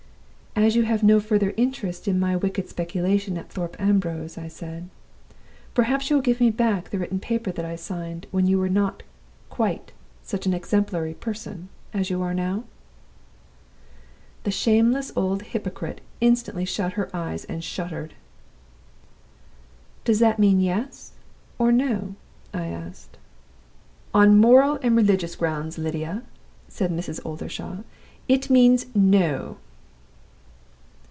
"'As you have no further interest in my wicked speculation at Thorpe Ambrose,' I said, 'perhaps you will give me back the written paper that I signed, when you were not quite such an exemplary person as you are now?' "The shameless old hypocrite instantly shut her eyes and shuddered. "'Does that mean Yes, or No'?' I asked. "'On moral and religious grounds, Lydia,' said Mrs. Oldershaw, 'it means No.